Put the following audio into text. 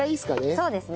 そうですね。